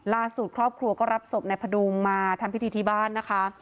ล่าสูตรครอบครัวก็รับศพในพระดูมมาทำพิธีที่บ้านนะคะ